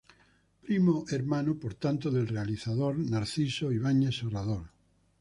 Primo hermano por tanto del realizador Narciso Ibáñez Serrador.